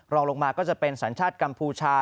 รองลงมาก็จะเป็นสัญชาติกัมพูชา